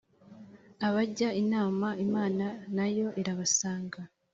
abajya inama imana nayo irabasanga